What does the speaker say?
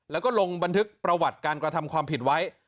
แล้วก็ลงบันทึกประวัติการกระทำความผิดไว้